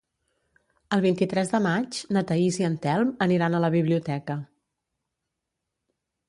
El vint-i-tres de maig na Thaís i en Telm aniran a la biblioteca.